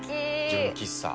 純喫茶。